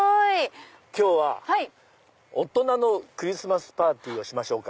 今日大人のクリスマスパーティーしましょうか。